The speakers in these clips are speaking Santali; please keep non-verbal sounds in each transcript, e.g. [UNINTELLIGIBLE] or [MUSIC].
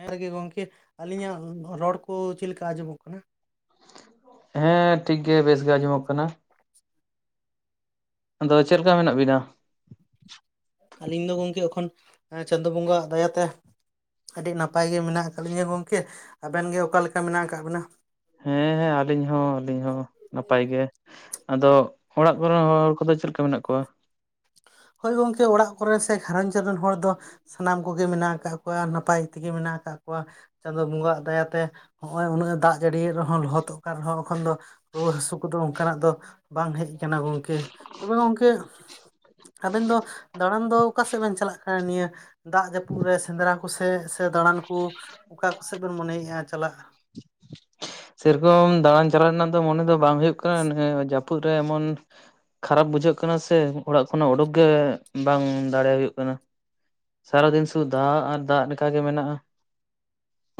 ᱦᱮᱸ ᱨᱮᱜᱮ ᱜᱚᱝᱠᱮ ᱟᱹᱞᱤᱧᱟᱜ ᱨᱚᱲ ᱠᱳ ᱪᱮᱜ ᱞᱮᱠᱟ ᱟᱡᱚᱢᱚᱜ ᱠᱟᱱᱟ ᱾ ᱦᱮᱸ ᱴᱷᱤᱠ ᱜᱮ ᱵᱮᱥ ᱜᱮ ᱟᱡᱚᱢᱚᱜ ᱠᱟᱱᱟ᱾ ᱟᱫᱚ ᱪᱮᱜ ᱞᱮᱠᱟ ᱢᱮᱱᱟᱜ ᱵᱤᱱᱟ? ᱟᱹᱞᱤᱧ ᱫᱚ ᱜᱚᱝᱠᱮ ᱮᱠᱷᱚᱱ ᱪᱟᱸᱫᱳ ᱵᱚᱸᱜᱟ ᱟ ᱫᱟᱭᱟᱛᱮ ᱟᱹᱰᱤ ᱱᱟᱯᱟᱭ ᱜᱮ ᱢᱤᱱᱟᱜ ᱟᱠᱟᱫ ᱞᱤᱧᱟᱹ ᱜᱚᱝᱠᱮ ᱟᱵᱮᱱ ᱜᱮ ᱚᱠᱟ ᱞᱮᱠᱟ ᱢᱮᱱᱟᱜ ᱠᱟᱜ ᱵᱤᱱᱟ? ᱦᱮᱸ ᱦᱮᱸ ᱟᱹᱞᱤᱧ ᱦᱚᱸ ᱟᱹᱞᱤᱧ ᱦᱚᱸ ᱱᱟᱯᱟᱭ ᱜᱮ ᱾ ᱟᱫᱚ ᱚᱲᱟᱜ ᱠᱚᱨᱮᱱ ᱦᱚᱲ ᱠᱚᱫᱚ ᱪᱮᱫ ᱞᱮᱠᱟ ᱢᱮᱱᱟᱜ ᱠᱚᱣᱟ? ᱦᱳᱭ ᱜᱚᱝᱠᱮ ᱚᱲᱟᱜ ᱠᱚᱨᱮ ᱥᱮ, ᱜᱷᱟᱨᱚᱸᱧᱡᱽ ᱨᱮᱱ ᱦᱚᱲ ᱫᱚ ᱥᱟᱱᱟᱢ ᱠᱚᱜᱮ ᱢᱮᱱᱟᱜ ᱠᱟᱜ ᱠᱚᱣᱟ ᱱᱟᱯᱟᱭ ᱛᱮᱜᱮ ᱢᱮᱱᱟᱜ ᱠᱟᱜ ᱠᱚᱣᱟ ᱪᱟᱸᱫᱳ ᱵᱚᱸᱜᱟ ᱟᱜ ᱫᱟᱭᱟᱛᱮ ᱦᱚᱜᱼᱚᱭ ᱩᱱᱟᱹᱜ ᱮ ᱫᱟᱜ ᱡᱟᱹᱲᱤᱭᱮᱜ ᱨᱮᱦᱚ ᱞᱚᱦᱚᱫᱚᱜ ᱠᱟᱱ ᱨᱮᱦᱚᱸ ᱚᱠᱷᱚᱱ ᱫᱚ ᱨᱩᱣᱟᱹ ᱦᱟᱹᱥᱩ ᱠᱚᱫᱚ ᱚᱱᱠᱟᱱᱟᱜ ᱫᱚ ᱵᱟᱝ ᱦᱮᱡ ᱠᱟᱱᱟ ᱜᱚᱝᱠᱮ ᱛᱚᱵᱮ ᱜᱚᱝᱠᱮ [INAUDIBLE] ᱟᱵᱮᱱ ᱫᱚ ᱫᱟᱬᱟᱱ ᱫᱚ ᱚᱠᱟ ᱥᱮᱫ ᱵᱮᱱ ᱪᱟᱞᱟᱜ [UNINTELLIGIBLE] ᱱᱤᱭᱟᱹ ᱫᱟᱜ ᱡᱟᱹᱯᱩᱜ ᱨᱮ ᱥᱮᱸᱫᱽᱨᱟ ᱠᱚᱥᱮᱜ ᱥᱮ ᱫᱟᱬᱟᱱ ᱠᱩ ᱚᱠᱟ ᱠᱚᱥᱮᱜ ᱵᱮᱱ ᱢᱚᱱᱮᱭᱮᱜᱼᱟ ᱪᱟᱞᱟᱜ᱾ ᱥᱮᱨᱚᱠᱚᱢ ᱫᱟᱬᱟᱱ ᱪᱟᱞᱟᱜ ᱨᱮᱱᱟᱜ ᱫᱚ ᱢᱚᱱᱮ ᱫᱚ ᱵᱟᱝ ᱦᱳᱭᱳᱜ ᱠᱟᱱᱟ [UNINTELLIGIBLE] ᱡᱟᱹᱯᱩᱫ ᱨᱮ ᱮᱢᱚᱱ ᱠᱷᱟᱨᱟᱯ ᱵᱩᱡᱷᱟᱹᱜ ᱠᱟᱱᱟ ᱥᱮ ᱚᱲᱟᱜ ᱠᱷᱚᱱᱟᱜ ᱳᱰᱳᱠ ᱜᱮ ᱵᱟᱝ ᱫᱟᱲᱮ ᱦᱩᱭᱩᱜ ᱠᱟᱱᱟ᱾ ᱥᱟᱨᱟᱫᱤᱱ [UNINTELLIGIBLE] ᱫᱟᱜ ᱟᱨ ᱫᱟᱜᱞᱮᱠᱟ ᱜᱮ ᱢᱮᱱᱟᱜᱼᱟ᱾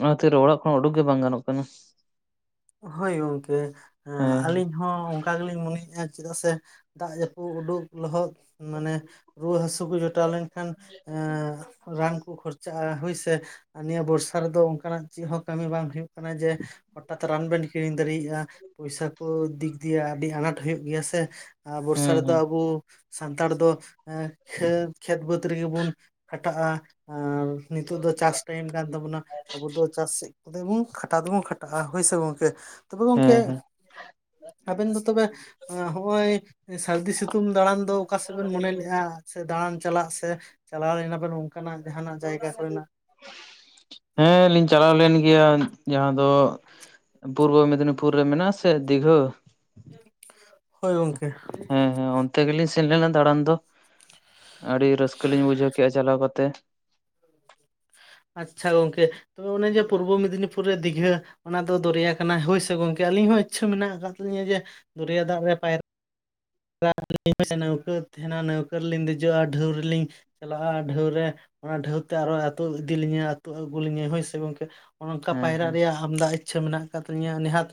ᱚᱱᱟ ᱠᱷᱟᱹᱛᱤᱨ ᱚᱲᱟᱜ ᱠᱷᱚᱱ ᱳᱰᱳᱠ ᱜᱮ ᱵᱟᱝ ᱜᱟᱱᱚᱜ ᱠᱟᱱᱟ᱾ ᱦᱳᱭ ᱜᱚᱢᱠᱮ ᱦᱮᱸ [UNINTELLIGIBLE] ᱟᱹᱞᱤᱧ ᱦᱚᱸ ᱚᱝᱠᱟ ᱜᱮᱞᱤᱧ ᱢᱚᱱᱮᱭᱮᱜᱼᱟ ᱪᱮᱫᱟᱜ ᱥᱮ ᱫᱟᱜ ᱡᱟᱹᱯᱩᱜ ᱳᱰᱳᱜ ᱞᱚᱦᱚᱫ ᱢᱟᱱᱮ ᱨᱩᱣᱟᱹ ᱦᱟᱹᱥᱩ ᱠᱩ ᱡᱚᱴᱟᱣ ᱞᱮᱱᱠᱷᱟᱱ [UNINTELLIGIBLE] ᱨᱟᱱᱠᱩ ᱠᱷᱚᱨᱪᱟ [UNINTELLIGIBLE] ᱦᱳᱭ ᱥᱮ ᱟᱨ ᱱᱤᱭᱟᱹ ᱵᱚᱨᱥᱟ ᱨᱮᱫᱚ ᱚᱱᱠᱟᱱᱟᱜ ᱪᱮᱫ ᱦᱚᱸ ᱠᱟᱹᱢᱤ ᱵᱟᱝ ᱦᱩᱭᱩᱜ ᱠᱟᱱᱟ ᱡᱮ ᱦᱚᱴᱟᱛ ᱨᱟᱱ ᱵᱮᱱ ᱠᱤᱨᱤᱝ ᱫᱟᱨᱮᱭᱟᱜᱼᱟ ᱯᱩᱭᱥᱟ ᱠᱚ ᱫᱤᱜ ᱫᱤᱭᱮ ᱟᱹᱰᱤ ᱟᱱᱟᱴ ᱦᱳᱭᱳᱜ ᱜᱮᱭᱟ ᱥᱮ [UNINTELLIGIBLE] ᱵᱚᱨᱥᱟ ᱦᱮᱸ ᱨᱮᱫᱚ ᱦᱮᱸ ᱟᱵᱩ ᱥᱟᱱᱛᱟᱲ ᱫᱚ [UNINTELLIGIBLE] ᱠᱷᱮᱛ ᱵᱟᱹᱫᱽ ᱨᱮᱜᱮ ᱵᱚᱱ ᱠᱷᱟᱴᱟᱜᱼᱟ ᱟᱨ ᱱᱤᱛᱚᱜ ᱫᱚ ᱪᱟᱥ ᱴᱟᱭᱤᱢ ᱠᱟᱱ ᱛᱟᱵᱚᱱᱟ ᱟᱵᱚ ᱫᱚ ᱪᱟᱥ ᱥᱮᱫ ᱠᱚᱛᱮ ᱵᱚᱱ ᱠᱷᱟᱴᱟᱣ ᱫᱚᱵᱚᱱ ᱠᱷᱟᱴᱟᱜᱼᱟ ᱦᱳᱭ ᱥᱮ ᱜᱚᱢᱠᱮ ᱛᱚᱵᱮ ᱦᱮᱸ ᱜᱚᱢᱠᱮ ᱦᱮᱸ ᱟᱵᱮᱱ ᱫᱚ ᱛᱚᱵᱮ [UNINTELLIGIBLE] ᱦᱚᱜᱼᱚᱸᱭ ᱥᱟᱹᱨᱫᱤ ᱥᱤᱛᱩᱝ ᱫᱟᱬᱟᱱ ᱫᱚ ᱚᱠᱟ ᱥᱮᱜ ᱵᱮᱱ ᱢᱚᱱᱮ ᱞᱮᱜᱼᱟ ᱥᱮ ᱫᱟᱬᱟᱱ ᱪᱟᱞᱟᱜ ᱥᱮ ᱪᱟᱞᱟᱣ ᱞᱮᱱᱟᱵᱮᱱ [UNINTELLIGIBLE] [UNINTELLIGIBLE] ᱦᱮᱸ ᱞᱤᱧ ᱪᱟᱞᱟᱣ ᱞᱮᱱ ᱜᱮᱭᱟ ᱡᱟᱦᱟᱸ ᱫᱚ ᱯᱩᱨᱵᱚ ᱢᱮᱫᱽᱱᱤᱯᱩᱨ ᱨᱮ ᱢᱮᱱᱟᱜ ᱟᱥᱮ ᱫᱤᱜᱷᱟᱹ [INAUDIBLE] ᱦᱳᱭ ᱜᱚᱢᱠᱮ ᱦᱮᱸ ᱦᱮᱸ ᱚᱱᱛᱮ ᱜᱮᱞᱤᱧ ᱥᱮᱱ ᱞᱮᱱᱟ ᱫᱟᱬᱟᱱ ᱫᱚ ᱟᱹᱰᱤ ᱨᱟᱹᱥᱠᱟᱹ ᱞᱤᱧ ᱵᱩᱡᱷᱟᱹᱣ ᱠᱮᱜᱼᱟ ᱪᱟᱞᱟᱣ ᱠᱟᱛᱮ ᱟᱪᱪᱷᱟ ᱜᱚᱝᱠᱮ ᱚᱱᱮ ᱡᱮ ᱯᱩᱨᱵᱚ ᱢᱮᱫᱽᱱᱤᱯᱩᱨ ᱨᱮ ᱫᱤᱜᱷᱟᱹ ᱚᱱᱟ ᱫᱚ ᱫᱚᱨᱭᱟ ᱠᱟᱱᱟ ᱦᱳᱭ ᱥᱮ ᱜᱚᱝᱠᱮ ᱟᱹᱞᱤᱧ ᱦᱚᱸ ᱤᱪᱪᱷᱟᱹ ᱢᱮᱱᱟᱜ ᱠᱟᱜ ᱛᱟᱞᱤᱧᱟ ᱡᱮ ᱫᱚᱨᱭᱟ ᱫᱟᱜ ᱨᱮ ᱯᱟᱭᱨᱟ [UNINTELLIGIBLE] ᱱᱟᱹᱣᱠᱟᱹ ᱛᱮᱦᱮᱱᱟ ᱱᱟᱹᱣᱠᱟᱹ ᱞᱤᱧ ᱫᱮᱡᱚᱜᱼᱟ ᱰᱷᱟᱹᱣ ᱨᱮᱞᱤᱧ ᱪᱟᱞᱟᱜᱼᱟ ᱰᱷᱟᱹᱣ ᱨᱮ ᱚᱱᱟ ᱰᱷᱟᱹᱣᱛᱮ ᱟᱨᱚ ᱟᱹᱛᱩ ᱤᱫᱤ ᱞᱤᱧᱟ ᱟᱹᱛᱩ ᱟᱹᱜᱩ ᱞᱤᱧᱟ ᱦᱳᱭ ᱥᱮ ᱜᱚᱝᱠᱮ ᱱᱚᱱᱠᱟ ᱦᱮᱸ ᱯᱟᱭᱨᱟᱜ ᱦᱮᱸ ᱨᱮᱭᱟᱜ ᱟᱢᱫᱟ ᱤᱪ ᱪᱷᱟᱹ ᱢᱮᱱᱟᱜ ᱟᱠᱟᱫ ᱛᱤᱧᱟᱹ ᱚᱱᱮ ᱱᱮᱦᱟᱜ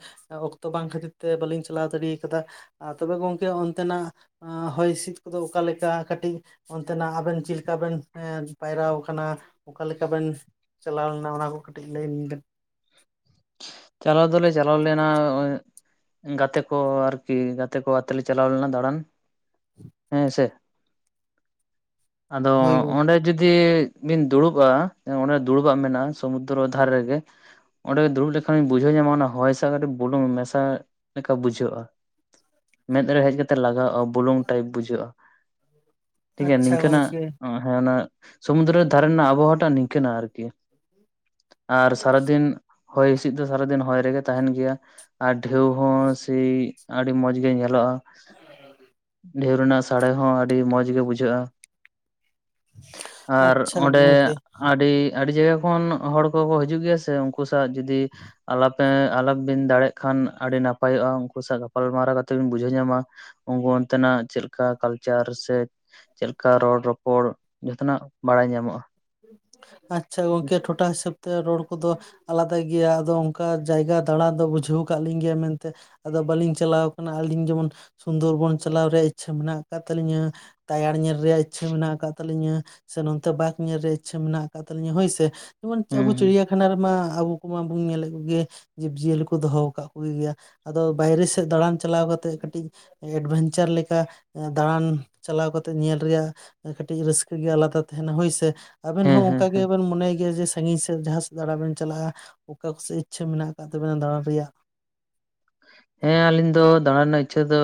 ᱚᱠᱛᱚ ᱵᱟᱝ ᱠᱷᱟᱹᱛᱤᱨ ᱛᱮ ᱵᱟᱹᱞᱤᱧ ᱪᱟᱞᱟᱣ ᱫᱟᱲᱮ ᱟᱠᱟᱫᱟ ᱛᱚᱵᱮ ᱜᱚᱝᱠᱮ ᱚᱱᱛᱮᱱᱟᱜ ᱦᱚᱭ ᱦᱤᱸᱥᱤᱫ ᱠᱚᱫᱚ ᱚᱠᱟᱮᱠᱟ ᱠᱟᱹᱴᱤᱜ ᱚᱱᱛᱮᱱᱟᱜ ᱟᱵᱮᱱ ᱪᱮᱫ ᱞᱮᱠᱟ ᱵᱮᱱ [UNINTELLIGIBLE] ᱯᱟᱭᱨᱟᱣ ᱠᱟᱱᱟ ᱚᱠᱟ ᱞᱮᱠᱟ ᱵᱮᱱ ᱪᱟᱞᱟᱣ ᱞᱮᱱᱟ ᱚᱱᱟ ᱠᱚ ᱠᱟᱹᱴᱤᱜ ᱞᱟᱹᱭᱟᱹᱧ ᱵᱮᱱ ᱾ ᱪᱟᱞᱟᱣ ᱫᱚᱞᱮ ᱪᱟᱞᱟᱣ ᱞᱮᱱᱟ [UNINTELLIGIBLE] ᱜᱟᱛᱮ ᱠᱚ ᱟᱨᱠᱤ, ᱜᱟᱛᱮ ᱠᱚ ᱟᱛᱮ ᱞᱮ ᱪᱟᱞᱟᱣ ᱞᱮᱱᱟ ᱫᱟᱬᱟᱱ ᱦᱮᱸ ᱥᱮ ᱟᱫᱚ ᱦᱳᱭ ᱜᱚᱝᱠᱮ ᱚᱸᱰᱮ ᱡᱩᱫᱤ ᱵᱤᱱ ᱫᱩᱲᱩᱵᱼᱟ ᱚᱱᱮ ᱫᱩᱲᱩᱵᱟᱜ ᱢᱮᱱᱟᱜᱼᱟ ᱥᱚᱢᱩᱫᱨᱚ ᱫᱷᱟᱨᱮ ᱜᱮ ᱚᱸᱰᱮ ᱫᱩᱲᱩᱵ ᱞᱮᱠᱷᱟᱱᱤᱧ ᱵᱩᱡᱷᱟᱹᱣ ᱧᱟᱢᱟ ᱚᱱᱟ ᱦᱚᱭ ᱥᱟᱶᱟᱜ ᱠᱟᱹᱴᱤᱜ ᱵᱩᱞᱩᱝ ᱢᱮᱥᱟ ᱞᱮᱠᱟ ᱵᱩᱡᱷᱟᱹᱜᱼᱟ ᱢᱮᱫ ᱨᱮ ᱦᱮᱡ ᱠᱟᱛᱮ ᱞᱟᱜᱟᱣᱼᱟ ᱵᱩᱞᱩᱝ ᱴᱟᱭᱤᱯ ᱵᱩᱡᱷᱟᱹᱜᱼᱟ ᱴᱷᱤᱠᱜᱮᱭᱟ ᱟᱪᱪᱷᱟ ᱱᱤᱝᱠᱟᱹᱱᱟᱜ ᱜᱚᱝᱠᱮ ᱚᱸ ᱦᱮᱸ ᱚᱱᱟ ᱥᱚᱢᱩᱱᱫᱚᱨᱚ ᱫᱷᱟᱨᱮ ᱨᱮᱱᱟᱜ ᱟᱵᱚ ᱦᱚ ᱴᱟᱜ ᱱᱤᱝᱠᱟᱹᱱᱟᱜ ᱟᱨᱠᱤ ᱟᱨ ᱥᱟᱨᱟ ᱫᱤᱱ, ᱦᱚᱭ ᱦᱤᱥᱤᱫ ᱫᱚ ᱥᱟᱨᱟᱫᱤᱱ ᱦᱚᱭ ᱨᱮᱜᱮ ᱛᱟᱦᱮᱱ ᱜᱮᱭᱟ ᱟᱨ ᱰᱷᱮᱣ ᱦᱚᱸ ᱥᱮᱭᱻ ᱟᱹᱰᱤ ᱢᱚᱸᱡ ᱜᱮ ᱧᱮᱞᱚᱜᱼᱟ ᱰᱷᱮᱣ ᱨᱮᱱᱟᱜ ᱥᱟᱲᱮ ᱦᱚᱸ ᱟᱹᱰᱤ ᱢᱚᱡᱽ ᱜᱮ ᱵᱩᱡᱷᱟᱹᱜᱼᱟ᱾ ᱟᱨ ᱟᱪᱪᱷᱟ ᱚᱸᱰᱮᱻ ᱜᱚᱝᱠᱮ ᱟᱹᱰᱤ ᱟᱹᱰᱤ ᱡᱟᱭᱜᱟ ᱠᱷᱚᱱ ᱦᱚᱲ ᱠᱚᱠᱚ ᱦᱤᱡᱩᱜ ᱜᱮᱭᱟ ᱥᱮ ᱩᱱᱠᱩ ᱥᱟᱶ ᱡᱩᱫᱤ ᱟᱞᱟᱯᱮ ᱟᱞᱟᱯᱮ ᱵᱤᱱ ᱫᱟᱲᱮᱜ ᱠᱷᱟᱱ ᱟᱹᱰᱤ ᱱᱟᱯᱟᱭᱚᱜᱼᱟ, ᱩᱱᱠᱩ ᱥᱟᱶ ᱜᱟᱯᱟᱞᱢᱟᱨᱟᱣ ᱠᱟᱛᱮᱫ ᱵᱤᱱ ᱵᱩᱡᱷᱟᱹᱣ ᱧᱟᱢᱟ ᱩᱱᱠᱩ ᱚᱱᱛᱮᱱᱟᱜ ᱪᱮᱫ ᱞᱮᱠᱟ ᱠᱟᱞᱪᱟᱨ ᱥᱮ ᱪᱮᱫ ᱞᱮᱠᱟ ᱨᱚᱲ ᱨᱚᱯᱚᱲ, ᱡᱚᱛᱚᱱᱟᱜ ᱵᱟᱰᱟᱭ ᱧᱟᱢᱚᱜᱼᱟ ᱟᱪ ᱪᱷᱟ ᱦᱩᱸ ᱜᱚᱝᱠᱮ ᱴᱚᱴᱷᱟ ᱦᱤᱥᱟᱹᱵ ᱛᱮ ᱨᱚᱲ ᱠᱚᱫᱚ ᱟᱞᱟᱫᱟ ᱜᱮᱭᱟ ᱟᱫᱚ ᱚᱱᱠᱟ ᱡᱟᱭᱜᱟ ᱫᱟᱬᱟᱱ ᱫᱚ ᱵᱩᱡᱷᱟᱹᱣ ᱠᱟᱜ ᱞᱤᱧ ᱜᱮᱭᱟ ᱢᱮᱱᱛᱮ ᱟᱫᱚ ᱵᱟᱹᱞᱤᱧ ᱪᱟᱞᱟᱣ ᱠᱟᱱᱟ ᱟᱹᱞᱤᱧ ᱡᱮᱢᱚᱱ, ᱥᱩᱱᱫᱚᱨ ᱵᱚᱱ ᱪᱟᱞᱟᱣ ᱨᱮᱭᱟᱜ ᱤᱪ ᱪᱷᱟᱹ ᱢᱮᱱᱟᱜ ᱟᱠᱟᱫ ᱛᱟᱹᱞᱤᱧᱟ ᱛᱟᱭᱟᱲ ᱧᱮᱞ ᱨᱮᱭᱟᱜ ᱤᱪ ᱪᱷᱟᱹ ᱢᱮᱱᱟᱜ ᱟᱠᱟᱫ ᱛᱟᱹᱟᱞᱤᱧᱟ ᱥᱮ, ᱱᱚᱛᱮ ᱵᱟ ᱨᱮ ᱤᱪ ᱪᱷᱟᱹ ᱢᱮᱱᱟᱜ ᱟᱠᱟᱫ ᱛᱟᱹᱤᱧᱟᱹ ᱦᱳᱭᱥᱮ, ᱡᱮᱢᱚᱱ ᱟᱵᱚ ᱦᱩᱸ ᱪᱤᱲᱭᱟᱹᱠᱷᱟᱱᱟ ᱨᱮᱢᱟ ᱟᱵᱚ ᱩᱱᱠᱩ ᱢᱟᱵᱚᱱ ᱧᱮᱞᱮᱫ ᱠᱚᱜᱮ ᱡᱤᱵᱽᱡᱤᱭᱟᱹᱞᱤ ᱠᱚ ᱫᱚᱦᱚ ᱟᱠᱟᱫ ᱠᱚᱜᱮᱭᱟ, ᱟᱫᱚ ᱵᱟᱭᱨᱮ ᱥᱮᱫ ᱫᱟᱬᱟᱱ ᱪᱟᱞᱟᱣ ᱠᱟᱛᱮᱜ ᱠᱟᱹᱴᱤᱡ ᱮᱰᱵᱷᱮᱧᱪᱟᱨ ᱞᱮᱠᱟ, ᱫᱟᱬᱟᱱ ᱪᱟᱞᱟᱣ ᱠᱟᱛᱮᱜ ᱧᱮᱞ ᱨᱮᱭᱟᱜ ᱠᱟᱹᱴᱤᱡ ᱨᱟᱹᱥᱠᱟᱹ ᱜᱮ ᱟᱞᱟᱫᱟ ᱛᱟᱦᱮᱱᱟ ᱦᱳᱭᱥᱮ, ᱟᱵᱤᱱ ᱦᱮᱸ ᱦᱚᱸ ᱦᱮᱸ ᱦᱮᱸ ᱚᱱᱠᱟ ᱜᱮᱵᱤᱱ ᱢᱚᱱᱮᱭ ᱜᱮᱭᱟ ᱡᱮ ᱥᱟᱺᱜᱤᱧ ᱥᱮᱫ ᱡᱟᱦᱟᱸ ᱥᱮᱫ ᱫᱟᱬᱟ ᱵᱤᱱ ᱪᱟᱞᱟᱜᱼᱟ, ᱚᱠᱟ ᱠᱚᱥᱮᱫ ᱤᱪ ᱪᱷᱟᱹ ᱢᱮᱱᱟᱜ ᱟᱠᱟᱫ ᱛᱟᱵᱤᱱᱟ ᱫᱟᱬᱟᱱ ᱨᱮᱭᱟᱜ ᱦᱮᱸ ᱟᱹᱞᱤᱧ ᱫᱚᱻ ᱫᱟᱬᱟ ᱨᱮᱱᱟᱜ ᱤᱪ ᱪᱷᱟᱹ ᱫᱚᱻ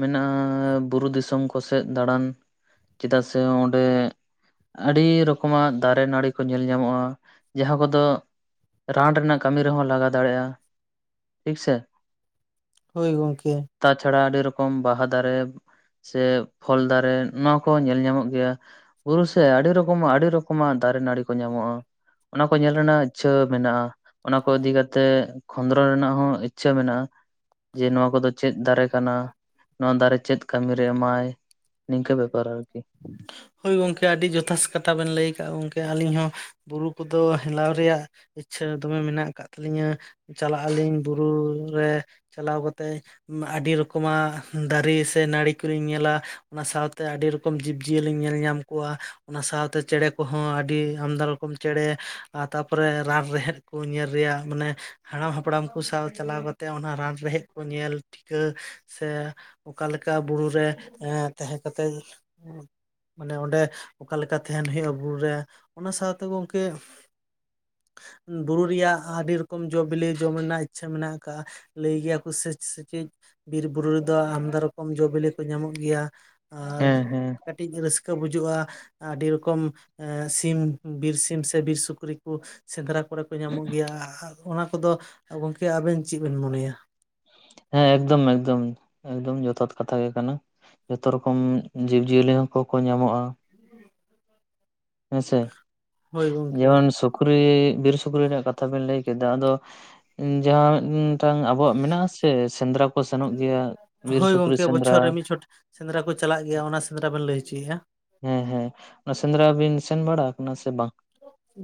ᱢᱮᱱᱟᱜᱼᱟᱻ ᱵᱩᱨᱩ ᱫᱤᱥᱚᱢ ᱠᱚᱥᱮᱫ ᱫᱟᱬᱟᱱ ᱪᱮᱫᱟᱜ ᱥᱮ ᱚᱸᱰᱮᱻ ᱟᱹᱰᱤ ᱨᱚᱠᱚᱢᱟᱜ ᱫᱟᱨᱮ ᱱᱟᱹᱲᱤ ᱠᱚ ᱧᱮᱞ ᱧᱟᱢᱚᱜᱼᱟ ᱡᱟᱦᱟᱸ ᱠᱚᱫᱚ ᱨᱟᱱ ᱨᱮᱱᱟᱜ ᱠᱟᱹᱢᱤ ᱨᱮᱦᱚᱸ ᱞᱟᱜᱟᱣ ᱫᱟᱲᱮᱭᱟᱜᱼᱟ, ᱴᱷᱤᱠ ᱥᱮ ᱦᱚᱭ ᱜᱚᱢᱠᱮ ᱛᱟ ᱪᱷᱟᱰᱟ ᱟᱹᱰᱤ ᱨᱚᱠᱚᱢ ᱵᱟᱦᱟ ᱫᱟᱨᱮ ᱥᱮ, ᱯᱷᱚᱞ ᱫᱟᱨᱮ ᱱᱚᱣᱟ ᱠᱚ ᱧᱮᱞ ᱧᱟᱢᱚᱜ ᱜᱮᱭᱟ ᱵᱩᱨᱩ ᱥᱮ ᱟᱹᱰᱤ ᱨᱚᱠᱚᱢᱟᱜ ᱟᱹᱰᱤ ᱨᱚᱠᱚᱢᱟᱜ ᱫᱟᱨᱮ ᱱᱟᱹᱲᱤ ᱠᱚ ᱧᱟᱢᱚᱜᱼᱟ ᱚᱱᱟ ᱠᱚ ᱧᱮᱞ ᱨᱮᱱᱟᱜ ᱤᱪ ᱪᱷᱟᱹ ᱢᱮᱱᱟᱜᱼᱟ ᱚᱱᱟ ᱠᱚ ᱤᱫᱤ ᱠᱟᱛᱮᱜ ᱠᱷᱚᱸᱫᱽᱨᱚᱱ ᱨᱮᱱᱟᱜ ᱦᱚᱸ ᱤᱪ ᱪᱷᱟᱹ ᱢᱮᱱᱟᱜᱼᱟ, ᱡᱮ ᱱᱚᱣᱟ ᱠᱚᱫᱚ ᱪᱮᱫ ᱫᱟᱨᱮ ᱠᱟᱱᱟ, ᱱᱚᱣᱟ ᱫᱟᱨᱮ ᱪᱮᱫ ᱠᱟᱹᱢᱤᱨᱮ ᱮᱢᱟᱭ, ᱱᱤᱝᱠᱟᱹ ᱵᱮᱯᱟᱨ ᱟᱨᱠᱤ ᱜᱚᱢᱠᱮ ᱟᱹᱰᱤ ᱡᱚᱛᱷᱟᱛ ᱠᱟᱛᱷᱟ ᱵᱮᱱ ᱞᱟᱹᱭ ᱟᱠᱜᱼᱟ, ᱜᱚᱢᱠᱮ ᱟᱹᱞᱤᱧ ᱦᱚᱸ ᱵᱩᱨᱩ ᱠᱚᱫᱚ ᱦᱮᱞᱟᱣ ᱨᱮᱭᱟᱜ ᱤᱪ ᱪᱷᱟᱹ ᱫᱚᱢᱮ ᱢᱮᱱᱟᱜ ᱟᱠᱟᱫ ᱛᱟᱹᱞᱤᱧᱟ ᱪᱟᱞᱟᱜ ᱟᱹᱞᱤᱧ ᱵᱩᱨᱩ ᱨᱮᱻ ᱪᱟᱞᱟᱣ ᱠᱟᱛᱮᱜ ᱟᱹᱰᱤ ᱨᱚᱠᱚᱢᱟᱜ ᱫᱟᱨᱮ ᱥᱮ ᱱᱟᱹᱲᱤ ᱠᱚᱧ ᱧᱮᱞᱟ ᱚᱱᱟ ᱥᱟᱶᱛᱮ ᱟᱹᱰᱤ ᱨᱚᱠᱚᱢ ᱨᱚᱠᱚᱢ ᱡᱤᱵᱼᱡᱤᱭᱟᱹᱞᱤᱧ ᱧᱮᱞ ᱧᱟᱢ ᱠᱚᱣᱟ ᱚᱱᱟ ᱥᱟᱶᱛᱮ ᱪᱮᱬᱮ ᱠᱚᱸᱦᱚᱸ ᱟᱹᱰᱤ ᱟᱢᱫᱟ ᱨᱚᱠᱚᱢ ᱪᱮᱬᱮ ᱟᱨ ᱛᱟᱨᱯᱚᱨᱮ ᱨᱟᱱ ᱨᱮᱦᱮᱫ ᱠᱚ ᱧᱮᱞ ᱨᱮᱭᱟᱜ ᱢᱟᱱᱮᱻ ᱦᱟᱲᱟᱢ ᱦᱟᱯᱲᱟᱢ ᱠᱚ ᱥᱟᱶ ᱪᱟᱞᱟᱣ ᱠᱟᱛᱮᱫ ᱚᱱᱟ ᱨᱟᱱ ᱨᱮᱦᱮᱫ ᱠᱚ ᱧᱮᱞ ᱴᱷᱤᱠᱟᱹ ᱥᱮ ᱚᱠᱟᱞᱮᱠᱟ ᱵᱩᱨᱩ ᱨᱮ ᱮᱻ ᱛᱟᱦᱮᱸ ᱠᱟᱛᱮᱜ [INAUDIBLE] ᱢᱟᱱᱮ ᱚᱸᱰᱮ ᱚᱠᱟᱞᱮᱠᱟ ᱛᱟᱦᱮᱱ ᱦᱩᱭᱩᱜᱼᱟ ᱵᱩᱨᱩ ᱨᱮ, ᱚᱱᱟ ᱥᱟᱶᱛᱮ ᱜᱚᱢᱠᱮ ᱵᱩᱨᱩ ᱨᱮᱭᱟᱜ ᱟᱹᱰᱤ ᱨᱚᱠᱚᱢ ᱡᱚᱼ ᱵᱤᱞᱤ ᱡᱚᱢ ᱨᱮᱱᱟᱜ ᱤᱪ ᱪᱷᱟᱹ ᱢᱮᱱᱟᱜ ᱟᱠᱟᱜᱼᱟ ᱞᱟᱹᱭ ᱜᱮᱭᱟ ᱠᱚ ᱥᱮ ᱥᱮᱠᱮᱡ ᱵᱤᱨ ᱵᱩᱨᱩ ᱨᱮᱫᱚ ᱟᱢᱫᱟ ᱨᱚᱠᱚᱢ ᱡᱚ- ᱵᱤᱞᱮ ᱠᱚ ᱧᱟᱢᱚᱜ ᱜᱮᱭᱟ ᱦᱮᱸ ᱦᱮᱸ ᱟᱨᱻᱠᱟᱹᱴᱤᱡ ᱨᱟᱹᱥᱠᱟᱹ ᱵᱩᱡᱟᱣᱜᱼᱟ ᱟᱹᱰᱤ ᱨᱚᱠᱚᱢ ᱮ ᱥᱤᱢ ᱵᱤᱨ ᱥᱤᱢ ᱥᱮ ᱵᱤᱨ ᱥᱩᱠᱨᱤ ᱠᱚ ᱥᱮᱸᱫᱽᱨᱟ ᱠᱚᱨᱮ ᱠᱚ ᱧᱟᱢᱚᱜ ᱜᱮᱭᱟ ᱚᱱᱟ ᱠᱚᱫᱚ ᱜᱚᱢᱠᱮ ᱟᱵᱤᱱ ᱪᱮᱫ ᱵᱤᱱ ᱢᱚᱱᱮᱭᱟ ᱦᱮᱸ ᱮᱠᱫᱚᱢ, ᱮᱠᱫᱚᱢ, ᱮᱠᱫᱚᱢ ᱡᱚᱛᱷᱟᱛ ᱠᱟᱛᱷᱟ ᱜᱮ ᱠᱟᱱᱟ ᱡᱚᱛᱚ ᱨᱚᱠᱚᱢ ᱡᱤᱵᱽ ᱡᱤᱭᱟᱹᱞᱤ ᱦᱚᱸᱠᱚ ᱠᱚ ᱧᱟᱢᱚᱜᱼᱟ᱾ ᱦᱮᱸᱥᱮ ᱦᱳᱭ ᱜᱚᱝᱠᱮ ᱡᱮᱢᱚᱱ ᱥᱩᱠᱨᱤᱻ ᱵᱤᱨ ᱥᱩᱠᱨᱤ ᱨᱮᱱᱟᱜ ᱠᱟᱛᱷᱟ ᱵᱤᱱ ᱞᱟᱹᱭ ᱠᱮᱫᱟ ᱟᱫᱚ ᱡᱟᱦᱟᱸ ᱢᱤᱫᱴᱟᱝ ᱟᱵᱚᱣᱟᱜ ᱢᱮᱱᱟᱜᱼᱟᱥᱮ ᱥᱮᱸᱫᱽᱨᱟ ᱠᱚ ᱥᱮᱱᱚᱜ ᱜᱮᱭᱟ ᱵᱤᱨ ᱦᱳᱭ ᱥᱩᱠᱨᱤ ᱜᱚᱝᱠᱮ ᱥᱮᱸᱫᱽᱨᱟ ᱵᱚᱪᱷᱚᱨ ᱨᱮ ᱢᱤᱫ ᱪᱷᱚᱴ ᱥᱮᱸᱫᱽᱨᱟ ᱠᱚ ᱪᱟᱞᱟᱜ ᱜᱮᱭᱟ ᱚᱱᱟ ᱥᱮᱸᱫᱽᱨᱟ ᱵᱤᱱ ᱞᱟᱹᱭ ᱦᱚᱪᱚᱭᱮᱫᱼᱟ ᱦᱮᱸ ᱦᱮᱸ ᱚᱱᱟ ᱥᱮᱸᱫᱽᱨᱟ ᱵᱤᱱ ᱥᱮᱱ ᱵᱟᱲᱟ ᱟᱠᱟᱱᱟ ᱥᱮ ᱵᱟᱝ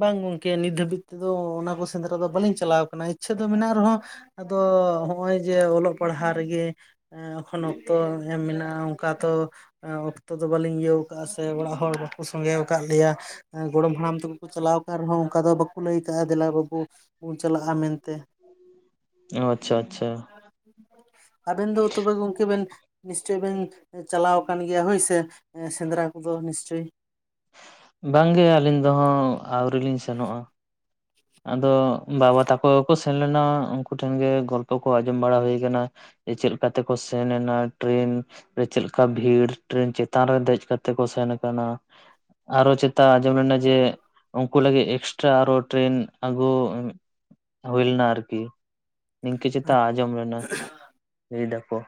ᱵᱟᱝ ᱜᱚᱝᱠᱮ ᱱᱤᱛ ᱫᱷᱟᱹᱵᱤᱡ ᱛᱮᱫᱚ ᱚᱱᱟ ᱠᱚ ᱥᱮᱸᱫᱽᱨᱟ ᱫᱚ ᱵᱟᱹᱞᱤᱧ ᱪᱟᱞᱟᱣ ᱟᱠᱟᱱᱟ ᱤᱪ ᱪᱷᱟ ᱢᱮᱱᱟᱜ ᱨᱮᱦᱚᱸ ᱟᱫᱚ ᱱᱚᱸᱜᱼᱚᱭ ᱡᱮ ᱚᱞᱚᱜ ᱯᱟᱲᱦᱟᱣ ᱨᱮᱜᱮ ᱮᱠᱷᱚᱱ ᱚᱠᱛᱚ ᱮᱢ ᱢᱮᱱᱟᱜᱼᱟ ᱚᱱᱠᱟ ᱛᱚ ᱚᱠᱛᱚ ᱫᱚ ᱵᱟᱹᱞᱤᱧ ᱤᱭᱟᱹ ᱚᱠᱟ ᱥᱮ ᱚᱲᱟᱜ ᱦᱚᱲ ᱵᱟᱠᱚ ᱥᱚᱸᱜᱮ ᱠᱟᱫ ᱞᱮᱭᱟ ᱜᱚᱲᱚᱢ ᱦᱟᱲᱟᱢ ᱛᱮᱠᱚ ᱠᱚ ᱪᱟᱞᱟᱣ ᱟᱠᱟᱱ ᱨᱮᱦᱚᱸ ᱚᱱᱠᱟ ᱫᱚ ᱵᱟᱠᱚ ᱞᱟᱹᱭ ᱠᱟᱜᱼᱟ ᱫᱮᱞᱟ ᱵᱟᱹᱵᱩ ᱵᱚᱱ ᱪᱟᱞᱟᱜᱼᱟ ᱢᱮᱱᱛᱮ ᱚ ᱟᱪ ᱪᱷᱟ ᱟᱪ ᱪᱷᱟ ᱟᱵᱮᱱ ᱫᱚ ᱛᱚᱵᱮ ᱜᱚᱢᱠᱮ ᱵᱤᱱ ᱱᱤᱥᱪᱚᱭ ᱵᱤᱱ ᱪᱟᱞᱟᱣ ᱟᱠᱟᱱ ᱜᱮᱭᱟ ᱦᱳᱭᱥᱮ ᱥᱮᱸᱫᱽᱨᱟ ᱠᱚᱫᱚ ᱱᱤᱥᱪᱚᱭ ᱵᱟᱝ ᱜᱮ ᱟᱹᱞᱤᱧ ᱫᱚᱦᱚᱸ ᱟᱹᱣᱨᱤ ᱞᱤᱧ ᱥᱮᱱᱚᱜᱼᱟ ᱟᱫᱚ ᱵᱟᱵᱟ ᱛᱟᱠᱚ ᱜᱮᱠᱚ ᱥᱮᱱ ᱞᱮᱱᱟ ᱩᱱᱠᱩ ᱴᱷᱮᱱ ᱜᱮ ᱜᱚᱞᱯᱚ ᱠᱚ ᱟᱸᱡᱚᱢ ᱵᱟᱲᱟ ᱦᱩᱭ ᱟᱠᱟᱱᱟ ᱪᱮᱫ ᱞᱮᱠᱟ ᱛᱮᱠᱚ ᱥᱮᱱ ᱞᱮᱱᱟ ᱴᱨᱮᱱ ᱪᱮᱫ ᱞᱮᱠᱟ ᱵᱷᱤᱲ ᱴᱨᱮᱱ ᱪᱮᱛᱟᱱ ᱨᱮ ᱫᱮᱡ ᱠᱟᱛᱮᱜ ᱠᱚ ᱥᱮᱱ ᱠᱟᱱᱟ? ᱟᱨ ᱦᱚᱸ ᱪᱮᱛᱟᱱ ᱟᱸᱡᱚᱢ ᱞᱮᱱᱟ ᱡᱮ ᱩᱱᱠᱩ ᱞᱟᱹᱜᱤᱫ ᱮᱠᱥᱴᱨᱟ ᱟᱨ ᱦᱚᱸ ᱴᱨᱮᱱ ᱟᱹᱜᱩ ᱩᱸᱜ ᱦᱩᱭᱞᱮᱱᱟ ᱟᱨᱠᱤ ᱱᱤᱝᱠᱟᱹ ᱪᱮᱛᱟᱱ ᱟᱸᱡᱚᱢ ᱞᱮᱱᱟ ᱞᱟᱹᱭ ᱫᱟᱠᱚ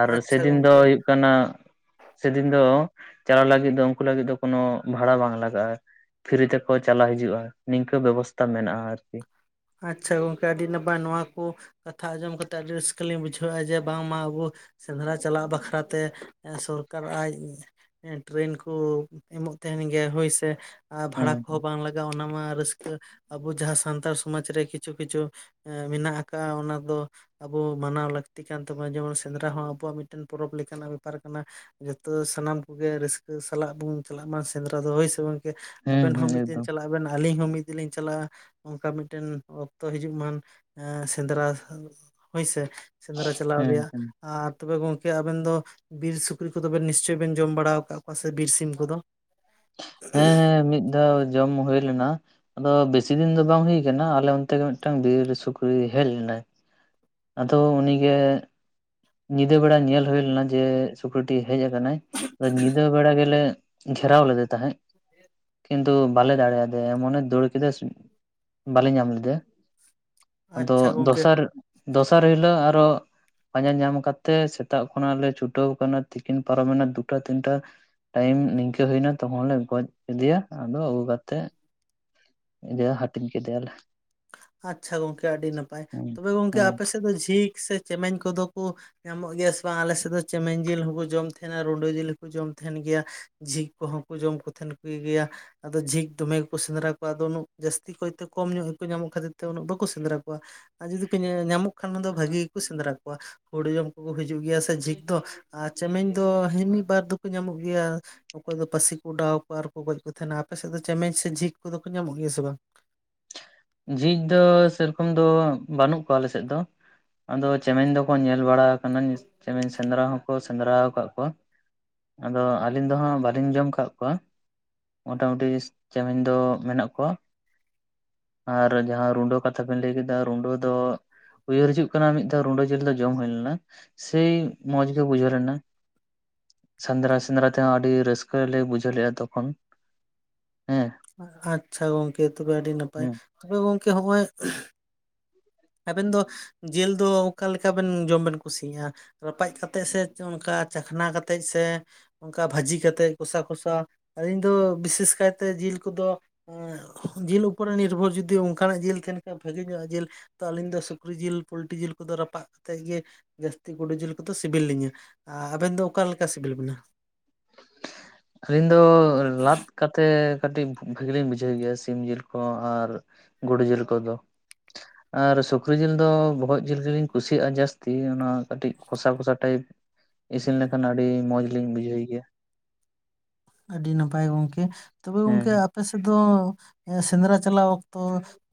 ᱟᱨ ᱟᱪᱪᱷᱟ ᱥᱮᱫᱤᱱ ᱫᱚ ᱜᱚᱝᱠᱮ ᱠᱟᱱᱟ ᱥᱮᱫᱤᱱ ᱫᱚ ᱪᱟᱞᱟᱣ ᱞᱟᱹᱜᱤᱫ ᱫᱚ ᱩᱱᱠᱩ ᱞᱟᱹᱜᱤᱫ ᱫᱚ ᱠᱳᱱᱳ ᱵᱷᱟᱲᱟ ᱵᱟᱝ ᱞᱟᱜᱟᱜᱼᱟ ᱯᱷᱤᱨᱤ ᱛᱮᱠᱚ ᱪᱟᱞᱟᱣ ᱦᱤᱡᱩᱜᱼᱟ ᱱᱤᱝᱠᱟᱹ ᱵᱮᱵᱚᱥᱛᱷᱟ ᱢᱮᱱᱟᱜᱼᱟ ᱟᱨᱠᱤ ᱟᱪ ᱪᱷᱟ ᱜᱚᱝᱠᱮ ᱟᱹᱰᱤ ᱱᱟᱯᱟᱭ ᱱᱚᱣᱟ ᱠᱚ ᱠᱟᱛᱷᱟ ᱟᱸᱡᱚᱢ ᱠᱟ ᱠᱟᱛᱮᱜ ᱟᱹᱰᱤ ᱨᱟᱹᱥᱠᱟᱹᱞᱤᱧ ᱵᱩᱡᱷᱟᱹᱣᱮᱫ-ᱟ ᱡᱮ ᱵᱟᱝᱢᱟ ᱟᱵᱚ ᱥᱮᱸᱫᱽᱨᱟ ᱪᱟᱞᱟᱜ ᱵᱟᱠᱷᱨᱟᱛᱮ ᱥᱚᱨᱠᱟᱨ ᱟᱡ ᱴᱮᱨᱮᱱ ᱠᱚ ᱮᱢᱚᱜ ᱛᱟᱦᱮᱸᱱ ᱜᱮᱭᱟ ᱦᱳᱭ ᱥᱮ ᱟᱨ ᱦᱩᱸ ᱵᱷᱟᱲᱟ ᱠᱚᱦᱚᱸ ᱵᱟᱝ ᱞᱟᱜᱟᱜᱼᱟ ᱚᱱᱟᱢᱟ ᱨᱟᱹᱥᱠᱟᱹ ᱟᱵᱚ ᱡᱟᱦᱟᱸ ᱥᱟᱱᱛᱟᱲ ᱥᱚᱢᱟᱡᱽ ᱨᱮ ᱠᱤᱪᱷᱩ ᱠᱤᱪᱷᱩ ᱢᱮᱱᱟᱜ ᱟᱠᱟᱜᱼᱟ ᱚᱱᱟ ᱫᱚ ᱟᱵᱚ ᱢᱟᱱᱟᱣ ᱞᱟᱹᱠᱛᱤ ᱠᱟᱱ ᱛᱟᱵᱚᱱᱟ ᱡᱮᱢᱚᱱ ᱥᱮᱸᱫᱽᱨᱟ ᱦᱚᱸ ᱟᱵᱚᱣᱟᱜ ᱢᱤᱫᱴᱮᱱ ᱯᱚᱨᱚᱵᱽ ᱞᱮᱠᱟᱱᱟᱜ ᱵᱮᱯᱟᱨ ᱠᱟᱱᱟ ᱡᱚᱛᱚ ᱥᱟᱱᱟᱢ ᱠᱚᱜᱮ ᱨᱟᱹᱥᱠᱟᱹ ᱥᱟᱞᱟᱜ ᱵᱚᱱ ᱪᱟᱞᱟᱜ ᱢᱟ ᱥᱮᱸᱫᱽᱨᱟ ᱫᱚ ᱦᱚᱭ ᱥᱮ ᱵᱟᱝ ᱦᱩᱸ ᱟᱵᱮᱱ ᱦᱚᱸ ᱦᱩᱸ ᱢᱤᱫ ᱫᱤᱱ ᱮᱠᱫᱚᱢ ᱪᱟᱞᱟᱜ ᱵᱮᱱ ᱟᱹᱞᱤᱧ ᱦᱚᱸ ᱢᱤᱫ ᱫᱤᱱ ᱞᱤᱧ ᱪᱟᱞᱟᱜᱼᱟ ᱚᱝᱠᱟ ᱢᱤᱫ ᱴᱮᱱ ᱚᱠᱛᱚ ᱦᱤᱡᱩᱜ ᱢᱟ ᱮ ᱥᱮᱸᱫᱽᱨᱟ ᱦᱳᱭ ᱥᱮ ᱥᱮᱸᱫᱽᱨᱟ ᱪᱟᱞᱟᱣ ᱦᱮᱸ ᱨᱮᱭᱟᱜ ᱦᱮᱸ ᱟᱨ ᱛᱚᱵᱮ ᱜᱚᱝᱠᱮ ᱟᱵᱮᱱ ᱫᱚ ᱵᱤᱨ ᱥᱩᱠᱨᱤ ᱠᱚᱫᱚ ᱱᱤᱥᱪᱚᱭ ᱵᱮᱱ ᱡᱚᱢ ᱵᱟᱲᱟ ᱟᱠᱟᱫ ᱠᱚᱣᱟ ᱥᱮ ᱵᱤᱨ ᱥᱤᱢ ᱠᱚᱫᱚ ᱦᱮᱸ ᱦᱮᱸ ᱢᱤᱫ ᱫᱷᱟᱣ ᱡᱚᱢ ᱦᱩᱭ ᱞᱮᱱᱟ ᱟᱫᱚ ᱵᱮᱥᱤ ᱫᱤᱱ ᱫᱚ ᱵᱟᱝ ᱦᱩᱭ ᱠᱟᱱᱟ ᱟᱞᱮ ᱚᱱᱛᱮ ᱜᱮ ᱢᱤᱫᱴ ᱟᱝ ᱵᱤᱨ ᱥᱩᱠᱨᱤᱭ ᱦᱮᱡ ᱞᱮᱱᱟᱭ ᱟᱫᱚ ᱩᱱᱤ ᱜᱮ ᱧᱤᱫᱟᱹ ᱵᱮᱲᱟ ᱧᱮᱞ ᱦᱩᱭ ᱞᱮᱱᱟ ᱡᱮ ᱥᱩᱠᱨᱤᱴᱤ ᱦᱮᱡ ᱟᱠᱟᱱᱟᱭ ᱧᱤᱫᱟᱹ ᱵᱮᱲᱟ ᱜᱮᱞᱮ ᱜᱷᱮᱨᱟᱣ ᱞᱮᱫᱤ ᱛᱟᱦᱮᱸᱫ ᱠᱤᱱᱛᱩ ᱵᱟᱞᱮ ᱫᱟᱲᱮᱭᱟᱫᱟ ᱮᱢᱚᱱ ᱮ ᱫᱟᱹᱲ ᱠᱮᱫᱟ ᱥᱩᱜ ᱵᱟᱞᱮ ᱧᱟᱢ ᱞᱮᱫᱮᱭᱟ ᱟᱫᱚ ᱟᱪᱪᱷᱟ ᱜᱚᱝᱠᱮ ᱫᱚᱥᱟᱨ ᱫᱚᱥᱟᱨ ᱦᱤᱞᱚᱜ ᱟᱨᱚ ᱯᱟᱸᱡᱟ ᱧᱟᱢ ᱠᱟᱛᱮᱜ ᱥᱮᱛᱟᱜ ᱠᱷᱚᱱᱟᱜ ᱞᱮ ᱪᱷᱩᱴᱟᱹᱣ ᱟᱠᱟᱱᱟ ᱛᱤᱠᱤᱱ ᱯᱟᱨᱚᱢᱮᱱᱟ ᱫᱩᱴᱟ ᱛᱤᱱᱴᱟ ᱴᱟᱭᱤᱢ ᱱᱤᱝᱠᱟᱹ ᱦᱩᱭ ᱮᱱᱟ ᱛᱚᱠᱷᱚᱱ ᱞᱮ ᱜᱚᱡ ᱠᱮᱫᱤᱭᱟ ᱟᱫᱚ ᱟᱹᱜᱩ ᱠᱟᱛᱮᱜ ᱡᱮ ᱦᱟᱹᱴᱤᱧ ᱠᱮᱫᱮᱭᱟᱞᱮ ᱟᱪᱷᱟ ᱜᱚᱝᱠᱮ ᱟᱹᱰᱤ ᱱᱟᱯᱟᱭ ᱦᱩᱸ ᱛᱚᱵᱮ ᱜᱚᱝᱠᱮ ᱦᱮᱸ ᱟᱯᱮ ᱥᱮᱫ ᱫᱚ ᱡᱷᱤᱠ ᱥᱮ ᱪᱮᱢᱮᱧ ᱠᱚᱫᱚ ᱠᱚ ᱧᱟᱢᱚᱜ ᱜᱮᱭᱟ ᱥᱮ ᱵᱟᱝ ᱟᱞᱮ ᱥᱮᱫ ᱫᱚ ᱪᱮᱢᱮᱧ ᱡᱤᱞ ᱦᱚᱸᱠᱚ ᱡᱚᱢ ᱛᱟᱦᱮᱸᱱᱟ ᱨᱩᱱᱰᱟᱹ ᱡᱤᱞ ᱦᱚᱸᱠᱚ ᱡᱚᱢ ᱛᱟᱦᱮᱸᱱ ᱜᱮᱭᱟ ᱡᱷᱤᱠ ᱠᱚᱦᱚᱸ ᱠᱚ ᱡᱚᱢ ᱠᱚ ᱛᱟᱦᱮᱸᱱ ᱠᱚ ᱜᱮᱭᱟ ᱟᱫᱚ ᱡᱷᱤᱠ ᱫᱚᱢᱮ ᱜᱮᱠᱚ ᱥᱮᱸᱫᱽᱨᱟ ᱠᱚᱣᱟ ᱟᱫᱚ ᱩᱱᱟᱹ ᱡᱟᱹᱥᱛᱤ ᱠᱚ ᱠᱟᱭᱛᱮ ᱠᱚᱢ ᱧᱚᱜ ᱜᱮᱠᱚ ᱧᱟᱢᱚᱜ ᱠᱟᱱᱟ ᱠᱷᱟᱹᱛᱤᱨ ᱛᱮ ᱩᱱᱟᱹᱜ ᱵᱟᱠᱚ ᱥᱮᱸᱫᱽᱨᱟ ᱠᱚᱣᱟ ᱟᱨ ᱡᱩᱫᱤ ᱠᱚ ᱧᱟᱢᱚᱜ ᱠᱷᱟᱱ ᱵᱷᱟᱹᱜᱤ ᱜᱮᱠᱚ ᱥᱮᱸᱫᱽᱨᱟ ᱠᱚᱣᱟ ᱦᱩᱲᱩ ᱡᱚᱢ ᱠᱚᱠᱚ ᱦᱤᱡᱩᱜ ᱜᱮᱭᱟ ᱥᱮ ᱡᱷᱤᱠ ᱫᱚ ᱟᱨ ᱪᱮᱢᱮᱧ ᱫᱚ ᱢᱤᱫ ᱵᱟᱨ ᱫᱚᱠᱚ ᱧᱟᱢᱚᱜ ᱜᱮᱭᱟ ᱚᱠᱚᱭ ᱫᱚ ᱯᱟᱹᱥᱤ ᱠᱚ ᱚᱰᱟᱣ ᱟᱠᱚᱣᱟ ᱟᱨᱠᱚ ᱜᱚᱡ ᱠᱚ ᱛᱟᱦᱮᱸᱱᱟ ᱟᱯᱮ ᱥᱮᱫ ᱫᱚ ᱪᱮᱢᱮᱧ ᱥᱮ ᱡᱷᱤᱠ ᱠᱚᱫᱚ ᱠᱚ ᱧᱟᱢᱚᱜ ᱜᱮᱭᱟ ᱥᱮ ᱵᱟᱝ ᱡᱷᱤᱠ ᱫᱚ ᱥᱮᱨᱚᱠᱚᱢ ᱫᱚ ᱵᱟᱹᱱᱩᱜ ᱠᱚᱣᱟ ᱟᱞᱮᱥᱮᱫ ᱫᱚ ᱟᱫᱚ ᱪᱮᱢᱮᱧ ᱫᱚᱠᱚ ᱧᱮᱞ ᱵᱟᱲᱟ [UNINTELLIGIBLE] ᱡᱮᱢ ᱥᱮᱸᱫᱽᱨᱟ ᱦᱚᱸᱠᱚ ᱥᱮᱸᱫᱽᱨᱟ ᱟᱠᱟᱫ ᱠᱚᱣᱟ ᱟᱫᱚ ᱟᱹᱞᱤᱧ ᱫᱚ ᱦᱟᱸᱜ ᱵᱟᱞᱤᱧ ᱡᱚᱢ ᱟᱠᱟᱫ ᱠᱚᱣᱟ ᱢᱚᱴᱟ ᱢᱩᱴᱤ ᱪᱮᱢᱮᱧ ᱫᱚ ᱢᱮᱱᱟᱜ ᱠᱚᱣᱟ ᱟᱨ ᱡᱟᱦᱟᱸ ᱨᱩᱰᱟᱹ ᱠᱟᱛᱷᱟ ᱵᱮᱤᱱ ᱞᱟᱹᱭ ᱠᱮᱫᱟ ᱨᱩᱱᱰᱟᱹ ᱫᱚ ᱩᱭᱦᱟᱹᱨ ᱦᱤᱡᱩᱜ ᱠᱟᱱᱟ ᱢᱤᱫ ᱫᱷᱟᱣ ᱨᱩᱰᱟᱹ ᱡᱤᱞ ᱫᱚ ᱡᱚᱢ ᱦᱩᱭ ᱞᱮᱱᱟ ᱥᱮᱭ ᱢᱚᱸᱡ ᱜᱮ ᱵᱩᱡᱷᱟᱹᱣ ᱞᱮᱱᱟ ᱥᱮᱸᱫᱽᱨᱟ ᱥᱮᱸᱫᱽᱨᱟ ᱛᱮᱦᱚᱸ ᱟᱹᱰᱤ ᱨᱟᱹᱥᱠᱟᱹ ᱞᱮ ᱵᱩᱡᱷᱟᱹᱣ ᱞᱮᱫᱼᱟ ᱛᱚᱠᱷᱚᱱ ᱦᱮᱸ ᱟᱪᱷᱟ ᱜᱚᱝᱠᱮ ᱛᱚᱵᱮ ᱟᱹᱰᱤ ᱱᱟᱯᱟᱭ ᱛᱚᱵᱮ ᱜᱚᱝᱠᱮ ᱦᱚᱜᱼᱚᱭ ᱟᱵᱮᱱ ᱫᱚ ᱡᱤᱞ ᱫᱚ ᱚᱠᱟᱮᱠᱟ ᱵᱮᱱ ᱡᱚᱢ ᱵᱮᱱ ᱠᱩᱥᱤᱭᱟᱜᱼᱟ ᱨᱟᱯᱟᱜ ᱠᱟ ᱠᱟᱛᱮᱜ ᱥᱮ ᱚᱱᱠᱟ ᱪᱟᱠᱷᱱᱟ ᱠᱟᱛᱮᱜ ᱥᱮ ᱚᱱᱠᱟ ᱵᱷᱟᱹᱡᱤ ᱠᱟ ᱠᱟᱛᱮᱫ ᱠᱚᱥᱟ ᱠᱚᱥᱟᱣ ᱤᱧ ᱫᱚ ᱵᱤᱥᱮᱥ ᱠᱟᱭᱛᱮ ᱡᱤᱞ ᱠᱚᱫᱚ ᱮᱸ ᱡᱤᱞ ᱩᱯᱚᱨᱮ ᱱᱤᱨᱵᱷᱚᱨ ᱡᱩᱚᱫᱤ ᱚᱱᱠᱟᱱᱟᱜ ᱡᱤᱞ ᱛᱟᱦᱮᱱ ᱠᱷᱟᱱᱡ ᱵᱷᱟᱹᱜᱤ ᱧᱚᱜᱼᱟ ᱡᱤᱞ ᱛᱚ ᱟᱹᱞᱤᱧ ᱫᱚ ᱥᱩᱠᱨᱤ ᱡᱤᱞ ᱯᱳᱞᱴᱤ ᱡᱤᱞ ᱠᱚᱫᱚ ᱨᱟᱯᱟᱜ ᱠᱟᱛᱮᱫ ᱜᱮ ᱡᱟᱹᱥᱛᱤ ᱜᱳᱰᱩ ᱡᱤᱞ ᱠᱚᱫᱚ ᱥᱤᱵᱤᱞ ᱞᱤᱧᱟᱹ ᱟᱨ ᱟᱵᱮᱱ ᱫᱚ ᱚᱠᱟ ᱞᱮᱠᱟ ᱥᱤᱵᱤᱞ ᱵᱮᱱᱟ ᱟᱹᱞᱤᱧ ᱫᱚ ᱞᱟᱛ ᱠᱟᱛᱮ ᱠᱟᱹᱴᱤᱡ ᱵᱷᱟᱜᱤ ᱞᱤᱧ ᱵᱩᱡᱷᱟᱹᱣ ᱜᱮᱭᱟ ᱥᱤᱢ ᱡᱤᱞ ᱠᱚ ᱟᱨ ᱜᱩᱰᱩ ᱡᱤᱞ ᱠᱚᱫᱚ ᱟᱨ ᱥᱩᱠᱨᱤ ᱡᱤᱞ ᱫᱚ ᱵᱚᱦᱚᱜ ᱡᱤᱞ ᱜᱮᱞᱤᱧ ᱠᱩᱥᱤᱭᱟᱜ-ᱟ ᱡᱟᱹᱥᱛᱤ ᱚᱱᱟ ᱠᱟᱹᱴᱤᱡ ᱠᱚᱥᱟ ᱠᱚᱥᱟ ᱴᱟᱭᱤᱯ ᱤᱥᱤᱱ ᱞᱮᱠᱷᱟᱱ ᱟᱹᱰᱤ ᱢᱚᱡᱽ ᱞᱤᱧ ᱵᱩᱡᱷᱟᱹᱣ ᱜᱮᱭᱟ ᱟᱹᱰᱤ ᱱᱟᱯᱟᱭ ᱜᱚᱝᱠᱮ ᱛᱚᱵᱮ ᱜᱚᱝᱠᱮ ᱦᱮᱸ ᱟᱯᱮ ᱥᱮᱫ ᱫᱚ ᱥᱮᱸᱫᱽᱨᱟ ᱪᱟᱞᱟᱣ ᱚᱠᱛᱚ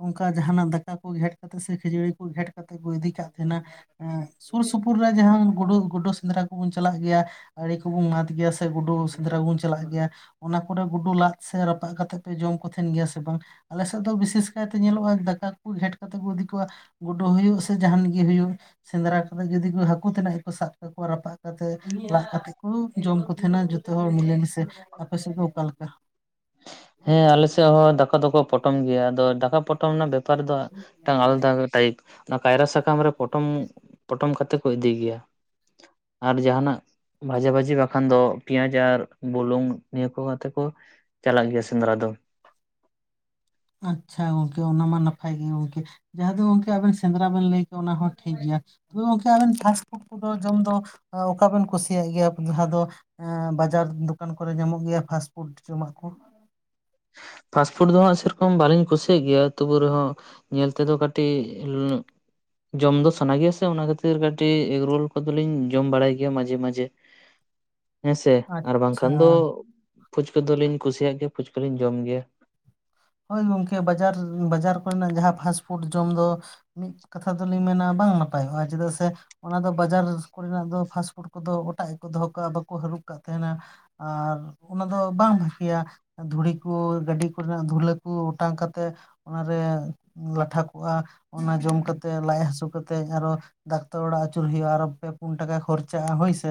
ᱚᱱᱠᱟ ᱡᱟᱦᱱᱟᱜ ᱫᱟᱠᱟ ᱠᱚ ᱜᱷᱮᱴ ᱠᱟᱛᱮᱜ ᱥᱮ ᱠᱷᱟ. ᱡᱟᱹᱲᱤ ᱠᱚ ᱜᱷᱮᱴ ᱠᱟᱛᱮᱜ ᱠᱚ ᱤᱫᱤ ᱠᱟᱜ ᱛᱟᱦᱮᱱᱟ ᱮᱜ ᱥᱩᱨ ᱥᱩᱯᱩᱨ ᱨᱮ ᱡᱟᱦᱟᱸ ᱜᱩᱰᱩ ᱜᱩᱰᱩ ᱥᱮᱸᱫᱽᱨᱟ ᱠᱚᱵᱚᱱ ᱪᱟᱞᱟᱜ ᱜᱮᱭᱟ ᱟᱲᱮ ᱠᱚᱵᱚᱱ ᱢᱟᱛᱫ ᱜᱮᱭᱟ ᱥᱮ ᱜᱩᱰᱩ ᱥᱮᱸᱫᱽᱨᱟ ᱵᱩᱱ ᱪᱟᱞᱟᱜ ᱜᱮᱭᱟ ᱚᱱᱟ ᱠᱚᱨᱮ ᱜᱩᱰᱩ ᱞᱟᱫ ᱥᱮ ᱨᱟᱯᱟᱜ ᱠᱟᱛᱮᱜ ᱯᱮ ᱡᱚᱢ ᱠᱚ ᱛᱟᱦᱮᱱ ᱜᱮᱭᱟ ᱥᱮ ᱵᱟᱝ ᱟᱞᱮᱥᱮᱫ ᱫᱚ ᱵᱤᱥᱮᱥ ᱠᱟᱭᱛᱮ ᱧᱮᱞᱚᱜᱼᱟ ᱫᱟᱠᱟ ᱠᱚ ᱜᱷᱮᱸᱴ ᱠᱟᱛᱮᱫ ᱠᱚ ᱤᱫᱤ ᱠᱚᱣᱟ ᱜᱩᱰᱩ ᱦᱩᱭᱩᱜ ᱥᱮ ᱡᱟᱦᱟᱱᱤᱡ ᱜᱮ ᱦᱩᱭᱩᱜ ᱥᱮᱸᱫᱽᱨᱟ ᱠᱟᱛᱮᱫ ᱡᱩᱫᱤ ᱦᱟᱹᱠᱩ ᱛᱮᱱᱟᱜ ᱜᱮᱠᱚ ᱥᱟᱵ ᱠᱟᱠᱚᱣᱟ ᱨᱟᱯᱟᱜ ᱛᱮ ᱞᱟᱜ ᱠᱟᱛᱮᱫ ᱠᱚ ᱡᱚᱢ ᱠᱚ ᱛᱟᱦᱮᱸᱱᱟ ᱡᱚᱛᱚ ᱦᱚᱲ ᱢᱤᱞᱮ ᱢᱤᱥᱮ ᱟᱯᱮᱥᱮᱫ ᱜᱮ ᱚᱠᱟᱮ ᱞᱮᱠᱟ ᱦᱮᱸ ᱟᱞᱮ ᱥᱮᱫ ᱦᱚᱸ ᱫᱟᱠᱟ ᱫᱚᱠᱚ ᱯᱚᱴᱚᱢ ᱜᱮᱭᱟ ᱟᱫᱚ ᱫᱟᱠᱟ ᱯᱚᱴᱚᱢ ᱨᱮᱱᱟᱜ ᱵᱮᱯᱟᱨ ᱫᱚ ᱢᱤᱫ ᱴᱟᱝ ᱟᱞᱟᱫᱟ ᱴᱟᱭᱤᱯ ᱚᱱᱟ ᱠᱟᱭᱨᱟ ᱥᱟᱠᱟᱢ ᱨᱮ ᱯᱚᱴᱚᱢ ᱯᱚᱴᱚᱢ ᱠᱟᱛᱮ ᱠᱚ ᱤᱫᱤ ᱜᱮᱭᱟ ᱟᱨ ᱡᱟᱦᱟᱱᱟᱜ ᱵᱷᱟᱡᱟ ᱵᱷᱟᱹᱡᱤ ᱵᱟᱠᱷᱟᱱ ᱫᱚ ᱯᱮᱸᱭᱟᱡ ᱟᱨ ᱵᱩᱞᱩᱝ ᱱᱤᱭᱟᱹ ᱠᱚ ᱠᱟᱛᱮ ᱠᱚ ᱪᱟᱞᱟᱜ ᱜᱮᱭᱟ ᱥᱮ ᱥᱮᱸᱫᱽᱨᱟ ᱫᱚ ᱟᱪᱪᱷᱟ ᱜᱚᱝᱠᱮ ᱚᱱᱟ ᱢᱟ ᱱᱟᱯᱟᱭ ᱜᱮ ᱜᱚᱝᱠᱮ ᱡᱟᱦᱟᱸ ᱫᱚ ᱜᱚᱝᱠᱮ ᱟᱵᱮᱱ ᱥᱮᱸᱫᱽᱨᱟ ᱵᱮᱱ ᱞᱟᱹᱭ ᱠᱮᱣᱟ ᱚᱱᱟ ᱦᱚᱸ ᱴᱷᱤᱠ ᱜᱮᱭᱟ ᱛᱚ ᱜᱚᱝᱠᱮ ᱟᱵᱮᱱ ᱯᱷᱟᱥᱴᱯᱷᱩᱰ ᱠᱚᱫᱚ ᱡᱚᱢ ᱫᱚ ᱚᱠᱟᱵᱮᱱ ᱠᱩᱥᱤᱭᱟᱜ ᱜᱮᱭᱟ ᱡᱟᱦᱟᱸ ᱫᱚ ᱵᱟᱡᱟᱨ ᱫᱚᱠᱟᱱ ᱠᱚᱨᱮ ᱧᱟᱢᱚᱜ ᱜᱮᱭᱟ ᱯᱷᱟᱥᱯᱷᱩᱰ ᱡᱚᱢᱟᱜ ᱠᱚ ᱯᱷᱟᱥᱴᱯᱷᱩᱰ ᱫᱚ ᱦᱟᱸᱜ ᱥᱮᱨᱚᱠᱚᱢ ᱵᱟ. ᱞᱤᱧ ᱠᱩᱥᱤᱭᱟᱜ ᱜᱮᱭᱟ ᱛᱚᱵᱩ ᱨᱮᱦᱚᱸ ᱧᱮᱞ ᱛᱮᱫᱚ ᱠᱟᱹᱴᱤᱡ ᱡᱚᱢ ᱫᱚ ᱥᱟᱱᱟ ᱜᱮᱭᱟ ᱥᱮ ᱚᱱᱟ ᱠᱷᱟᱹᱛᱤᱨ ᱠᱟᱹᱴᱤᱡ ᱮᱜᱽᱨᱳᱞ ᱠᱚᱫᱚᱞᱤᱧ ᱡᱚᱢ ᱵᱟᱲᱟᱭ ᱜᱮᱭᱟ ᱢᱟᱡᱷᱮ ᱢᱟᱡᱷᱮ [INAUDIBLE] ᱦᱮᱸᱥᱮ ᱟᱨ ᱟᱪᱪᱷᱟ ᱵᱟᱝᱠᱷᱟᱱ ᱫᱚ ᱯᱷᱩᱪᱠᱟᱹ ᱫᱚᱞᱤᱧ ᱠᱩᱥᱤᱭᱟᱜ ᱜᱮᱭᱟ ᱯᱷᱩᱪᱠᱟᱹᱫᱚᱞᱤᱧ ᱡᱚᱢ ᱜᱮᱭᱟ ᱦᱳᱭ ᱜᱚᱝᱠᱮ ᱵᱟᱡᱟᱨ ᱵᱟᱡᱟᱨ ᱠᱚᱨᱮᱱᱟᱜ ᱡᱟᱦᱟᱸ ᱯᱷᱟᱥᱴᱯᱷᱩᱰ ᱡᱚᱢ ᱫᱚ ᱢᱤᱫ ᱠᱟᱛᱷᱟ ᱫᱚᱞᱤᱧ ᱢᱮᱱᱟ ᱵᱟᱝ ᱱᱟᱯᱟᱭᱚᱜ-ᱟ ᱪᱮᱫᱟᱜ ᱥᱮ ᱚᱱᱟ ᱫᱚ ᱵᱟᱡᱟᱨ ᱠᱚᱨᱮᱱᱟᱜ ᱫᱚ ᱯᱷᱟᱥᱴᱯᱷᱩᱰ ᱠᱚᱫᱚ ᱚᱴᱟᱜ ᱜᱮᱠᱚ ᱫᱚᱦᱚ ᱠᱟᱜᱼᱟ ᱵᱟᱠᱚ ᱦᱟᱹᱨᱩᱵ ᱠᱟᱜ ᱛᱟᱦᱮᱱᱟ ᱟᱨ ᱚᱱᱟ ᱫᱚ ᱵᱟᱝ ᱵᱷᱟᱹᱜᱤᱭᱟ ᱫᱷᱩᱲᱤ ᱠᱚ ᱜᱟᱹᱰᱤ ᱠᱚᱨᱮᱱᱟᱜ ᱫᱷᱩᱞᱟᱹ ᱠᱩ ᱚᱴᱟᱝ ᱠᱟᱛᱮᱜ ᱚᱱᱟᱨᱮ ᱞᱟᱴᱷᱟ ᱠᱚᱜᱼᱟ ᱚᱱᱟ ᱡᱚᱢ ᱠᱟᱛᱮᱜ ᱞᱟᱡ ᱦᱟᱹᱥᱩ ᱠᱟᱛᱮᱜ ᱟᱨᱚ ᱰᱟᱠᱛᱟᱨ ᱚᱲᱟᱜ ᱟᱹᱪᱩᱨ ᱦᱩᱭᱩᱜ-ᱟ ᱟᱨᱚ ᱯᱮ ᱯᱩᱱ ᱴᱟᱠᱟ ᱠᱷᱚᱨᱪᱟᱜ-ᱟ ᱦᱳᱭ ᱥᱮ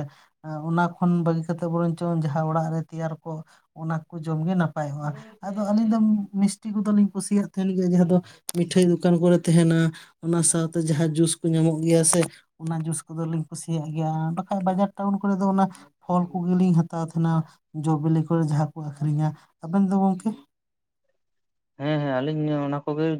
ᱚᱱᱟ ᱠᱷᱚᱱ ᱵᱟᱹᱜᱤ ᱠᱟᱛᱮᱜ ᱵᱚᱨᱚᱝᱪᱚᱝ ᱡᱟᱦᱟᱸ ᱚᱲᱟᱜ ᱨᱮ ᱛᱮᱭᱟᱨ ᱠᱚᱜ ᱚᱱᱟ ᱠᱚ ᱡᱚᱢᱜᱮ ᱱᱟᱯᱟᱭ ᱱᱟᱯᱟᱭᱚᱜᱼᱟ ᱟᱫᱚ ᱟᱹᱞᱤᱧ ᱫᱚ ᱢᱤᱥᱴᱤ ᱠᱚᱫᱚᱞᱤᱧ ᱠᱩᱥᱤᱭᱟᱜ ᱛᱟᱦᱮᱱ ᱜᱮᱭᱟ ᱡᱟᱦᱟᱸ ᱫᱚ ᱢᱤᱴᱷᱟᱹᱭ ᱫᱚᱠᱟᱱ ᱠᱚᱨᱮ ᱛᱟᱦᱮᱱᱟ ᱚᱱᱟ ᱥᱟᱶᱛᱮ ᱡᱟᱦᱟᱸ ᱡᱩᱥ ᱠᱚ ᱧᱟᱢᱚᱜ ᱜᱮᱭᱟ ᱥᱮ ᱚᱱᱟ ᱡᱩᱥ ᱠᱚᱫᱚᱞᱤᱧ ᱠᱩᱥᱤᱭᱟᱜ ᱜᱮᱭᱟ ᱟᱨ ᱵᱟᱡᱟᱨ ᱴᱟᱣᱩᱱ ᱠᱚᱨᱮ ᱫᱚ ᱚᱱᱟ ᱯᱷᱚᱞ ᱠᱚᱜᱮᱞᱤᱧ ᱦᱟᱛᱟᱣ ᱛᱟᱦᱮᱸᱱᱟ ᱡᱚ ᱵᱤᱞᱤ ᱠᱚᱨᱮ ᱡᱟᱦᱟᱸ ᱠᱚ ᱟᱹᱷᱨᱤᱧᱟ ᱟᱵᱮᱱ ᱫᱚ ᱜᱚᱝᱠᱮ ᱦᱮᱸ ᱦᱮᱸ ᱟᱹᱞᱤᱧ ᱚᱱᱟ ᱠᱚᱜᱮ